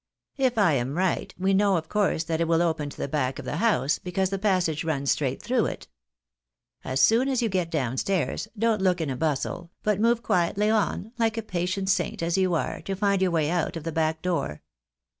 If I am right, we know of course that it will open to the back of the house, because the passage runs straight through it. As soon as you get down stairs don't look in a bustle, but move quietly on, like a patient saint, as you are, to find your way out of the back door.